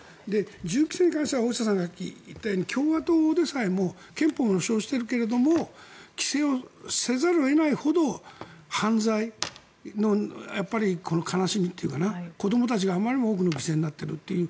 銃規制に関しては大下さんが言ったように共和党でさえも憲法で保障しているけども規制をせざるを得ないほど犯罪の悲しみというか子どもたちがあまりにも犠牲になっているという。